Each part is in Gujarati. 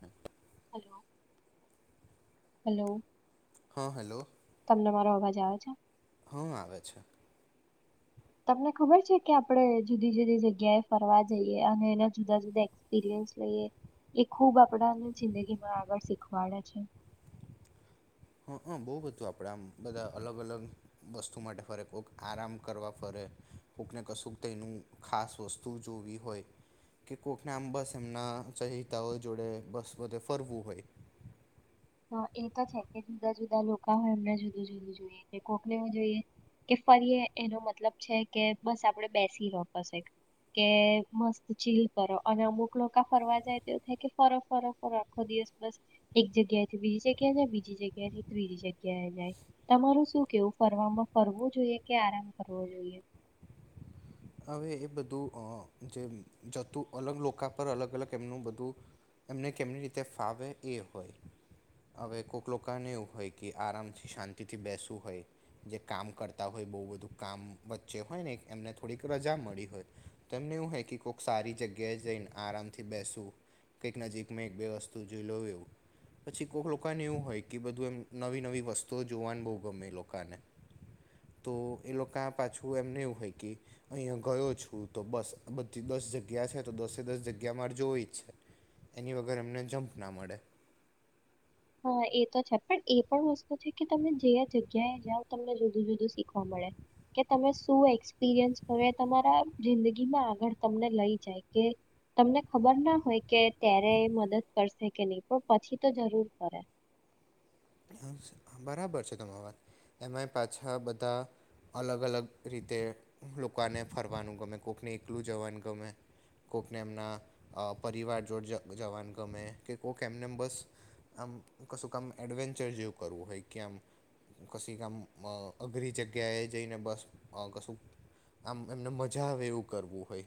હા. હલો. હા હલો. તમને મારો અવાજ આવે છે. હ આવે છે. તમને ખબર છે કે આપણે જુદી જુદી જગ્યાએ ફરવા જઈએ અને એના જુદા જુદા એક્સપિરિયન્સ લઈએ એ ખૂબ આપણાને જિંદગીમાં આગળ શીખવાડે છે. હઅ બહુ બધું આપણે આમ બધા અલગ અલગ વસ્તુ માટે ફરે, કોક આરામ કરવા ફરે, કોકને કશુંક ત એનું ખાસ વસ્તુ જોવી હોય કે કોકને આમ બસ એમના સહિતાઓ જોડે બસ બધે ફરવું હોય. હહ એ ત છે કે જુદાં જુદાં લોકા હોય એમને જુદું જુદું જોઈએ કે કોકને એવું જોઈએ કે ફરીએ એનો મતલબ છે કે બસ આપડે બેસીરો પશે કે મસ્ત ચીલ કરો અને અમુક લોકા ફરવા જાય તેવું થાય કે ફર ફર ફર આખો દિવસ બસ એક જગ્યાએ બીજી જગ્યા એ જાય બીજી જગ્યાથી ત્રીજી જગ્યાએ જાય તમારું શું કેવું ફરવામાં ફરવું જોઈએ કે આરામ કરવો જોઈએ? હવે એ બધું અ જે જતું અલગ લોકા પર અલગ અલગ એમનું બધું એમને કેમની રીતે ફાવે એ હોય હવે કોક લોકાને એવું હોય કે આરામથી શાંતિથી બેસવું હોય જે કામ કરતાં હોય બહુ બધું કામ વચ્ચે હોય ને એમને થોડીક રજા મળી હોય તો એમને એવું હોય કે કોક સારી જગ્યાએ જઈને આરામથી બેસું કંઈક નજીકમાં એક બે વસ્તુ જોઈ લઉં એવું પછી કોક લોકાને એવું હોય કે બધું એમ નવી નવી વસ્તુઓ જોવાનું બહુ ગમે એ લોકાને તો એ લોકા પાછું એમને એવું હોય કે અહીંયા ગયો છું તો બસ આ બધી દસ જગ્યા છે તો દસે દસ જગ્યા મારે જોવી જ છે એની વગર એમને જમ્પ ના મળે. હહ એ તો છે પણ એ પણ વસ્તુ છે કે તમે જે જગ્યાએ જાઓ તમને જુદું જુદું શીખવા મળે કે તમે શું એક્સપિરિયન્સ કરો એ તમારા જિંદગીમાં આગળ તમને લઈ જાય કે તમને ખબર ના હોય કે ત્યારે મદદ કરશે કે નહીં પણ પછી તો જરૂર કરે. બરાબર છે તમારી વાત એમાંય પાછા બધા અલગ અલગ રીતે લોકાને ફરવાનું ગમે કોકને એકલું જવાનું ગમે કોકને એમના અ પરિવાર જોડે જવા જવાનું ગમે કે કોક એમને એમ બસ આમ કશુંક આમ એડવેન્ચ ચર જેવું કરવું હોય કે આમ કશીક આમ અ અઘરી જગ્યાએ જઈને બસ અ કશુંક આમ એમને મજા આવે એવું કરવું હોય.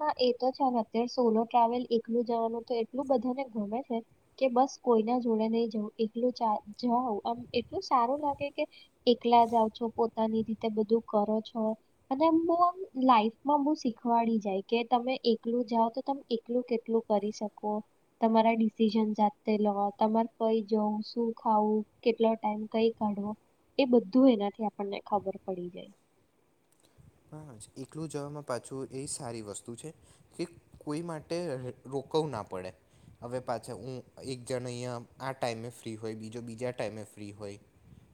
હહ એ તો છે ને અત્યારે સોલો ટ્રાવેલ એકલું જવાનું તો એટલું બધાને ગમે છે કે બસ કોઈ ના જોડે નહી જવું એકલું જાઉં આમ એટલું સારું લાગે કે એકલા જાઓ છો પોતાની રીતે બધું કરો છો અને આમ બહુ આમ લાઈફમાં બહુ શીખવાડી જાય. કે તમે એકલું જાઓ તો તમે એકલું કેટલું કરી શકો તમારા ડિસિઝન જાતે લો તમાર કંઈ જઉં, શું ખાવું, કેટલો ટાઈમ કંઈ કાઢવો એ બધું એનાથી આપણને ખબર પડી જાય. હહ એકલું જવામાં પાછું એ સારી વસ્તુ છે કે કોઈ માટે રોકવું ના પડે હવે પાછા હું એક જણ અહીંયા આ ટાઈમે ફ્રી હોય બીજો બીજા ટાઈમે ફ્રી હોય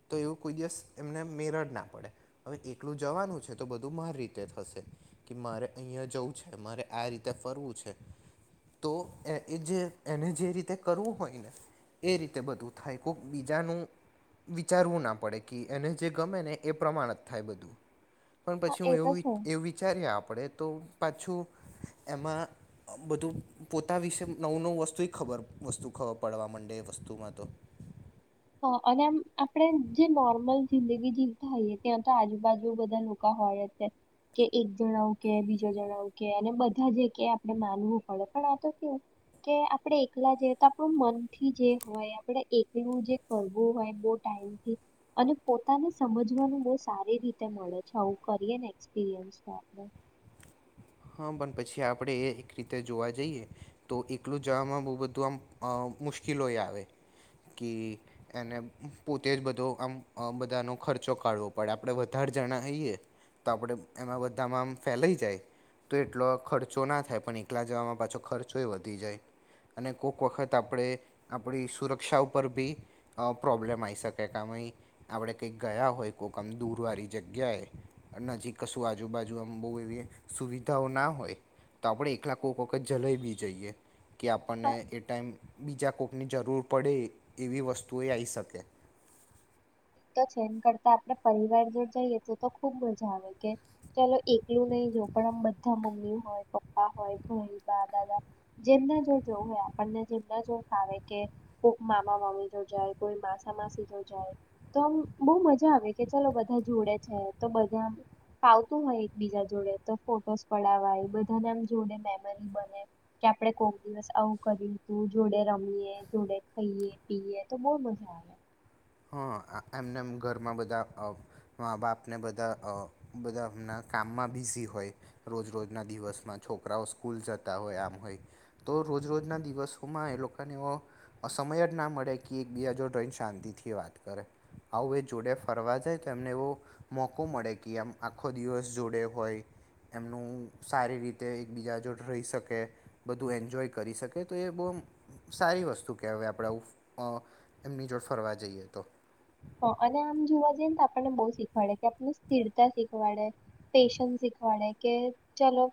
તો એવું કોઈ દિવસ એમને મેર જ ના પડે હવે એકલું જવાનું છે. તો બધું મારી રીતે થશે કે મારે અહીંયા જવું છે મારે આ રીતે ફરવું છે તો એ જે એને જે રીતે કરવું હોય ને એ રીતે બધું થાય કોક બીજાનું વિચારવું ના પડે કે એને જે ગમે ને એ પ્રમાણ જ થાય બધું. પણ હા પછી એ હું તો એવું છે એવું વિચારીએ આપણેે તો પાછું એમાં બધું પોતા વિશે નવું નવું વસ્તુ એ ખબર વસ્તુ ખબર પડવા મંડે વસ્તુમાં તો હા અને આમ આપણે જે નોર્મલ જિંદગી જીવતા હોઈએ ત્યાં તો આજુબાજુ બધા લોકા હોય છે કે એક જણ આવું કે બીજો જણ આવું કે અને બધા જે કે આપણે માનવું પડે પણ આ તો કેવું કે આપણે એકલા જઈએ તો આપણું મનથી જે હોય આપણે એકલું જે કરવું હોય બોવ ટાઈમથી અને પોતાને સમજવાનું બહુ સારી રીતે મળે છે આવું કરીએ ને એક્સપિરિયન્સ તો આપણે હહ પન પછી આપણે એ એક રીતે જોવા જઈએ તો એકલું જવામાં બહુ બધું આમ અ મુશ્કિલોએ આવે કે એને પોતે જ બધો આમ અ બધાનો ખર્ચો કાઢવો પડે આપણે વધારે જણા હઈએ તો આપણે એમાં બધામાં આમ ફેલાઈ જાય. તો એટલો ખર્ચો ના થાય પણ એકલા જવામાં પાછો ખર્ચોય વધી જાય અને કોક વખત આપણે આપણી સુરક્ષા ઉપર ભી પ્રોબ્લેમ આઈ શકે કામય આપણે કંઈક ગયા હોય કોક આમ દૂરવાળી જગ્યાએ અને નજીક કશું આજુબાજુ આમ બહુ એવી સુવિ ધાઓ ના હોય તો આપણેે એકલા કોક વખત જલાઈ બી જઈએ. કે આપણને એ ટાઈમ બીજા કોકની જરૂર પડે એવી વસ્તુએ આઈ શકે. એ તો છે એન કરતાં આપણે પરિવાર જોડ જઈએ તો તો ખુબ મજા આવે કે ચલો એકલું નહીં જઉં પણ આમ બધા મમ્મી હોય, પપ્પા હોય, ભઈ, બા, દાદા જેમના જોડ જઉં હોય આપણને જેમના જોડ ફાવે કે કોક મામા મામી જોડે જાય કોઈ માસા માસી જોડે જાય. તો આમ બહુ મજા આવે કે ચલો બધા જોડે છે તો બધા ફાવતું હોય એકબીજા જોડે તો ફોટોસ પડાવાય બધાને આમ જોડે મેમરી બને કે આપણે કોક દિવસ આવું કર્યું તું જોડે રમીએ, જોડે ખઈએ, પીએ તો બહુ મજા આવે. હહ એમને એમ ઘરમાં બધાં મા બાપને બધા બધા એમનાં કામમાં બિઝી હોય રોજરોજના દિવસમાં છોકરાઓ સ્કૂલ જતા હોય આમ હોય તો રોજરોજના દિવસોમાં એ લોકાને એવો સમય જ ના મળે કે એકબીજા જોડે રહીને શાંતિથી વાત કરે આવું એ જોડે ફરવા જાય તો એમને એવો મોકો મળે કે આમ આખો દિવસ જોડે હોય એમનું સારી રીતે એકબીજા જોડ રહી શકે બધું એન્જોય કરી શકે તો એ બહુ આમ સારી વસ્તુ કહેવાય આપણે આવું અ એમની જોડે ફરવા જઈએ તો હહ અને આમ જોવા જઈએ ને તો આપણને બઉ શીખવાડે કે આપને સ્થિરતા શીખવાડે, પેશન્ શીખવાડે કે ચલો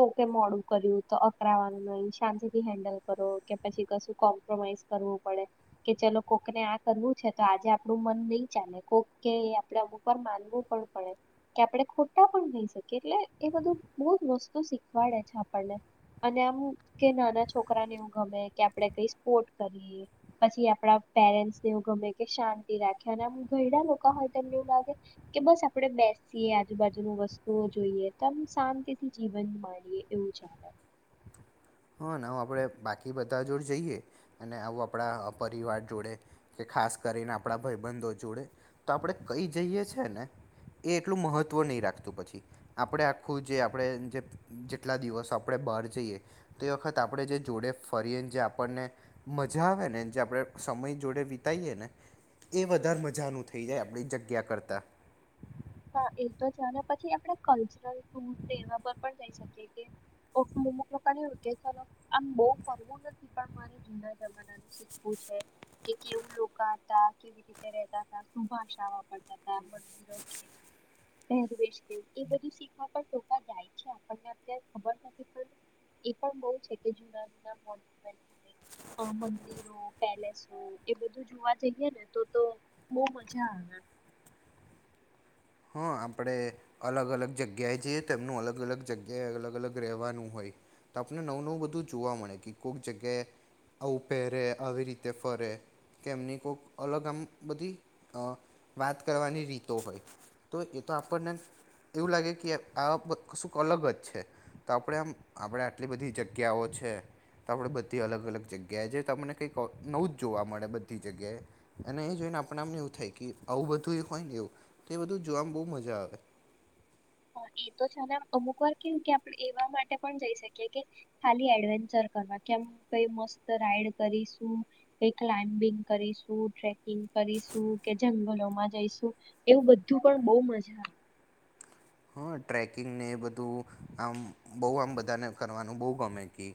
કોકે મોડું કર્યું તો અકરાવાનું નહી શાંતિ થી હેન્ડલ કરો કે પછી કશું કોમ્પ્રોમાઈઝ કરવું પડે કે ચલો કોકને આ કરવું છે તો આજે આપણું મન નહીં ચાલે કોક કે એ આપણે અમુક વાર માનવું પણ પડે કે આપણે ખોટા પણ હોઈ શકીએ એટલે એ બધું બહુ જ વસ્તુ શીખવાડે છે આપણને અને આમ કે નાના છોકરાને એવું ગમે કે આપણે કઈ સ્પોર્ટ કરીએ પછી આપણા પેરેન્ટસને એવું ગમે કે શા તી રાખે અને આમ ઘરડા લોકા હોય તો એમને એવું લાગે કે બસ આપણે બેસીએ આજુબાજુનું વસ્તુઓ જોઈએ તો આમ શાંતિથી જીવન માણીએ એવું જાણે હહ ને આમ આપણે બાકી બધા જોડે જઈએ અને આવું આપણા પરિવાર જોડે કે ખાસ કરીને આપણા ભઈબંધો જોડે તો આપણે કઈ જઈએ છે ને એ એટલું મહત્ત્વ નહીં રાખતું પછી આપણે આખું જે આપણે જે જેટલા દિવસો આપણે બહાર જઈએ. તે વખત આપણે જે જોડે ફરીએ ને જે આપણને મજા આવે ને જે આપણે સમય જોડે વિતાઈએ ને એ વધારે મજાનું થઈ જાય આપણી જગ્યા કરતાં હા એ તો છે અને પછી આપણે કલ્ચરલ ટૂર ને એવા પર પણ જઈ શકીએ કે અમુક લોકોને એવું કે ચલો આમ બહુ ફરવું નથી પણ મારે જુના જમાનાનું શીખવું છે કે કેવું લોકા હતા, કેવી રીતે રેતાતા, શું ભાષા વાપરતાતા. પહેરવેશ કેવું એ બધું શીખવા પણ લોકા જાય છે આપણને અત્યારે ખબર નથી પણ એ પણ બહુ છે કે જૂના જૂના મોન્યુમેન્ટ હોય અ મંદિરો, પેલેસો એ બધું જોવા જઈએ ને તો તો બહુ મજા આવે. હહ આપણે અલગ અલગ જગ્યાએ જઈએ તો એમનું અલગ અલગ જગ્યાએ અલગ અલગ રહેવાનું હોય તો આપને નવું નવું બધું જોવા મળે કે કોક જગ્યાએ આવું પહેરે આવી રીતે ફરે કે એમની કોક અલગ આમ બધી અ વાત કરવાની રીતો હોય. તો એ તો આપણને એવું લાગે કે આ કશુંક અલગ જ છે તો આપણે આમ આપણે આટલી બધી જગ્યાઓ છે તો આપણે બધી અલગ અલગ જગ્યાએ જે તમને કંઈક નવું જ જોવા મળે બધી જગ્યાએ અને એ જોઈને આપણે આમ એવું થાય કે આવું બધું એ હોય ને એવું તો એ બધું જોવામાં બહુ મજા આવે. હહ એ તો છે અને આમ અમુક વાર કેવું કે આપણે એવા માટે પણ જઈ શકીએ કે ખાલી એડવેન્ચર કરવા કેમ કઈ મસ્ત રાઈડ કરીશું, કઈ ક્લાઇમ્બિંગ કરીશું, ટ્રેકિંગ કરીશું કે જંગલોમાં જઈશું એવું બધું પણ બઉ મજા આવે. હહ ટ્રેકિંગને એ બધું આમ બહુ આમ બધાને કરવાનું બહુ ગમે કે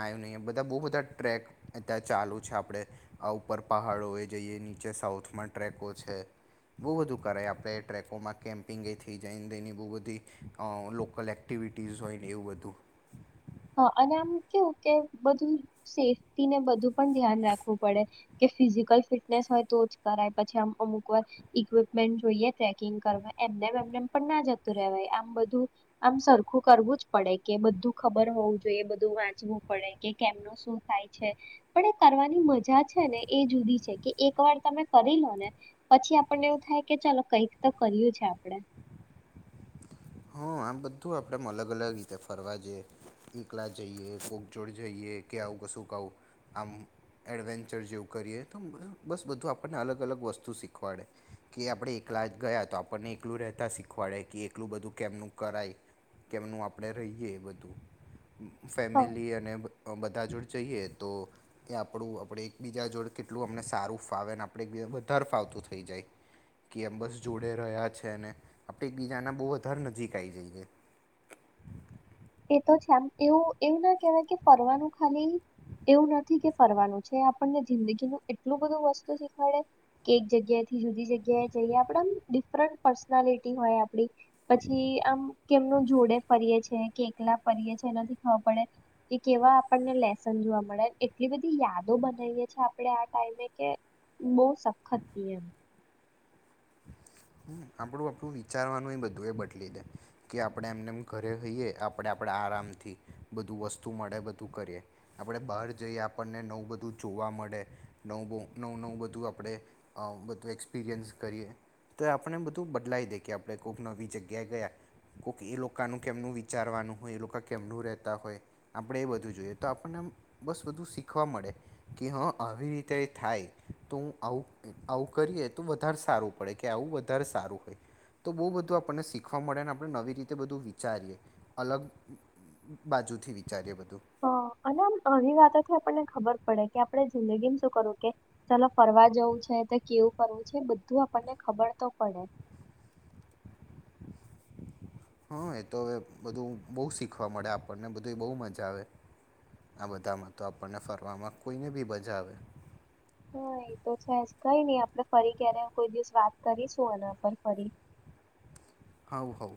આ એ નહીં બધા બહુ બધા ટ્રેક અતારે ચાલુ છે આપણે અ ઉપર પહાડોએ જઈએ નીચે સાઉથમાં ટ્રેકો છે બહુ બધું કરાય આપણે ટ્રેકોમાં કેમ્પિંગ એથી જઈને બહુ બધી ધી અ લોકલ એક્ટિવિટીઝ હોય ને એવું બધું. હહ અને આમ કેવું કે બધું સેફટીને બધું પણ ધ્યાન રાખવું પડે કે ફિઝિકલ ફિટનેસ હોય તો જ કરાય પછી આમ અમુક વાર ઈક્વિપમેન્ટ જોઈએ ટ્રેકિંગ કરવા એમને એમ એમને એમ પણ ના જતું રેવાય આમ બધું આમ સરખું કરવું જ પડે કે બધું ખબર ખબર હોવું જોઈએ બધું વાંચવું પડે કે કેમનું શું થાય છે પણ એ કરવાની મજા છે ને એ જુદી છે કે એક વાર તમે કરી લો ને પછી આપણને એવું થાય કે ચલો કંઈક તો કર્યું છે આપણે. હહ આમ બધું આપણે આમ અલગ અલગ રીતે ફરવા જઈએ એકલા જઈએ, કોક જોડ જઈએ કે આવું કશુંક આવું આમ એડવેન્ચર જેવું કરીએ તો બસ બધું આપણને અલગ અલગ વસ્તુ શીખવાડે કે આપણે એકલા ગયા તો આપણને એકલું રહેતાં શીખવાડે કે એકલું બધું કેમનું કરાય, કેમનું આપણે રહીએ એ બધું હા ફેમિલી અને અ બધા જોડે જઈએ તો એ આપણું આપણે એકબીજા જોડે કેટલું અમને સારું ફાવે ને આપણે એકબીજા વધારે ફાવતું થઈ જાય કે એમ બસ જોડે રહ્યા છે ને આપણે એકબીજાને બહુ જ ધર નજીક આઈ જઈએ. એ તો છે આમ એવું એવું ના કેહેવાય કે ફરવાનું ખાલી એવું નથી કે ફરવાનું છે આપણને જિંદગીનું એટલું બધું વસ્તુ શીખવાડે કે એક જગ્યાએથી જુદી જગ્યાએ જઈએ આપડ આમ ડિફરન્ટ પર્સનાલિટી હોય આપડી પછી આમ કેમનું જોડે ફરીએ છેએ કે એકલા કરીરીએ એનાથી ખબર પડે કે કેવા આપણને લેસન જોવા મળે એટલી બધી યાદો બનાવીએ છે આપણે આ ટાઈમે કે બહ સખત રીએ એમ. આપણું આપણું વિચારવાનું એ બધું એ બદલી દે કે આપણે એમને એમ ઘરે જહીએ આપણે આપણે આરામથી બધું વસ્તુ મળે બધું કરીએ આપણે બહાર જઈએ આપણને નવું બધું જોવા મળે નવું બ નવું નવું બધું આપણે બધું એક્સપિરિયન્સ કરીએ તો આપણે આપણને બધું બદલાઈ દે કે આપણે કોઈક નવી જગ્યાએ ગયા કોઈક એ લોકોનું કેમનું વિચારવાનું હોય એ લોકો કેમનું રહેતા હોય આપણે એ બધું જોઈએ તો આપણને બસ બધું શીખવા મળે કે હા આવી રીતે થાય તો હું આવું આવું કરીએ તો વધારે સારું પડે કે આવું બું વધારે સારું હોય તો બહુ બધું આપણને શીખવા મળે અને આપણે નવી રીતે બધું વિચારીએ અલગ બાજુથી વિચારીએ બધું. હ અને આમ ઘણી વાતથી આપને ખબર પડે કે આપણે જિંદગીમાં શું કરું કે ચાલ ફરવા જવું છે તો કેવું ફરવું છે બધું આપણને ખબર તો પડે હા એ તો હવે બધું બહુ શીખવા મળે આપણને બધું બહુ મજા આવે આ બધામાં તો આપણને ફરવામાં કોઈને બી મજા આવે. હા એતો છે કઈ નહી આપડણે ફરી ક્યારે કોઈ દિવસ વાત કરીશું એના પર ફરી. હવ હવ.